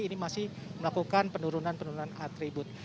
ini masih melakukan penurunan penurunan atribut